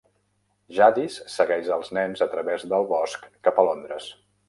Jadis segueix als nens a través del bosc cap a Londres.